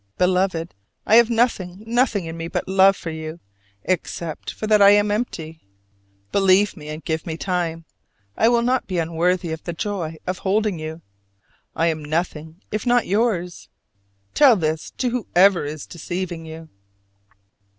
Beloved, I have nothing, nothing in me but love for you: except for that I am empty! Believe me and give me time; I will not be unworthy of the joy of holding you. I am nothing if not yours! Tell this to whoever is deceiving you.